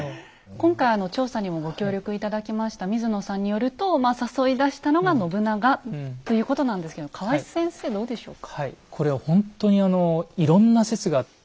今回調査にもご協力頂きました水野さんによるとまあ誘い出したのが信長ということなんですけど河合先生どうでしょうか？